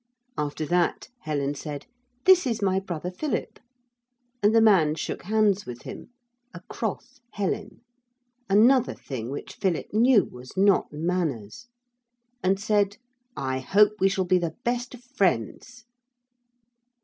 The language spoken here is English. After that Helen said, 'This is my brother Philip,' and the man shook hands with him across Helen, another thing which Philip knew was not manners, and said, 'I hope we shall be the best of friends.'